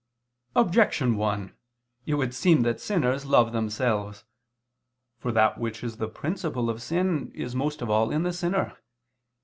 Objection 1: It would seem that sinners love themselves. For that which is the principle of sin, is most of all in the sinner.